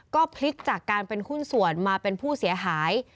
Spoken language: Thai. ก็พลิกจากการเป็นหุ้นส่วนมาเป็นผู้เสียหาย